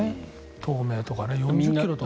東名とか４０ｋｍとか。